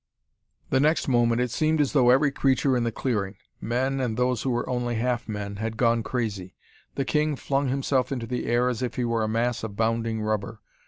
The next moment it seemed as though every creature in the clearing men and those who were only half men had gone crazy. The king flung himself into the air as if he were a mass of bounding rubber.